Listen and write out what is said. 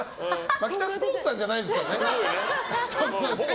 マキタスポーツさんじゃないですからね。